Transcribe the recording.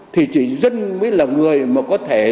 thì chỉ dân mới là người mà có thể